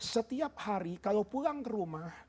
setiap hari kalau pulang ke rumah